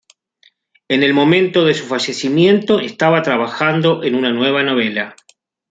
En el momento de su fallecimiento estaba trabajando en una nueva novela.